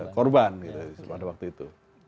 korban pada waktu itu